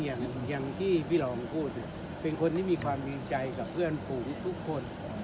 อย่างที่พี่รองพูดเป็นคนที่มีความดีใจกับเพื่อนฝูงทุกคน